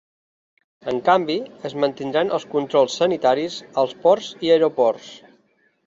En canvi, es mantindran els controls sanitaris als ports i aeroports.